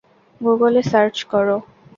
গুগলে সার্চ করো।